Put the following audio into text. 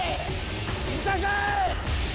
見たかい！